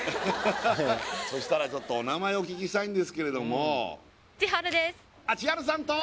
そしたらちょっとお名前をお聞きしたいんですけれども千春ですあっ千春さんと？